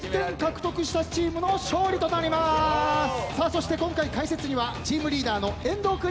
そして今回解説にはチームリーダーの遠藤君に来てもらいました。